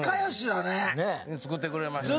作ってくれましたね。